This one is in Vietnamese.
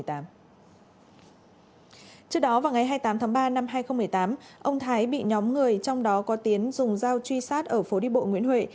trước đó vào ngày hai mươi tám tháng ba năm hai nghìn một mươi tám ông thái bị nhóm người trong đó có tiến dùng dao truy sát ở phố đi bộ nguyễn huệ